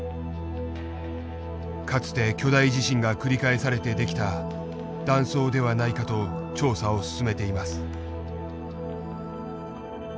かつて巨大地震が繰り返されて出来た断層ではないかと調査を進めています。